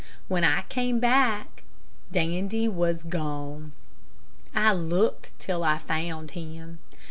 When I came back, Dandy was gone. I looked till I found him.